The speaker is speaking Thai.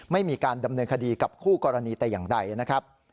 ไม่มีการดำเนินคดีกับคู่กรณีแต่อย่างใดนะครับ